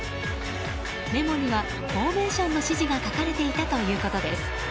メモにはフォーメーションの指示が書かれていたということです。